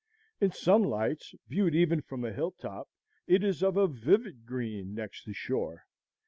In some lights, viewed even from a hill top, it is of a vivid green next the shore.